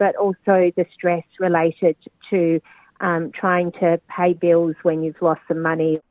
tapi juga stres terkait dengan mencoba untuk membeli bil ketika anda kehilangan uang